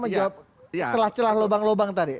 menjawab celah celah lobang lobang tadi